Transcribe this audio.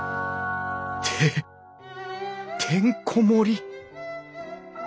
ててんこ盛り！